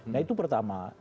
nah itu pertama